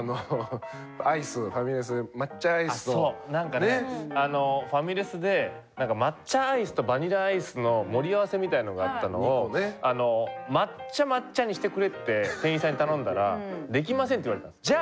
なんかねファミレスで抹茶アイスとバニラアイスの盛り合わせみたいのがあったのを抹茶・抹茶にしてくれって店員さんに頼んだらできませんって言われたんです。